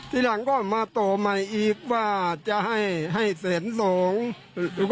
ทีหลังก็มาโตใหม่อีกว่าจะให้เสร็จร่านสงฆ์